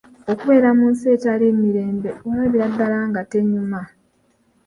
"Okubeera mu nsi etaliimu mirembe, olabira ddala nga tenyuma."